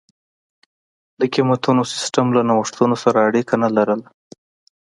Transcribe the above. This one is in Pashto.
د قېمتونو سیستم له نوښتونو سره اړیکه نه لرله.